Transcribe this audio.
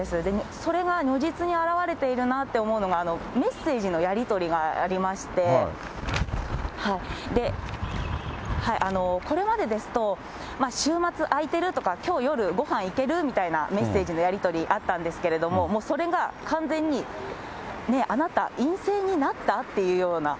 それが如実に表れているなと思うのが、メッセージのやり取りがありまして、これまでですと、週末空いてる？とかきょう夜、ごはん行ける？みたいなメッセージのやり取り、あったんですけれども、もうそれが完全に、ねぇ、あなた陰性になった？っていうような